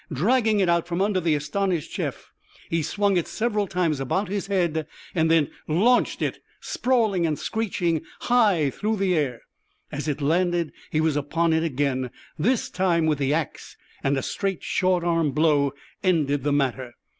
Dragging it out from under the astonished Jeff, he swung it several times about his head, and then launched it sprawling and screeching, high through the air. As it landed he was upon it again, this time with the axe, and a straight short arm blow ended the matter.